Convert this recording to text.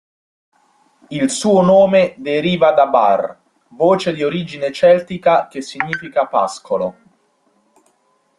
Il suo nome deriva da "bar", voce di origine celtica che significa pascolo.